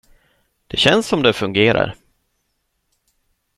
Det känns som om det fungerar.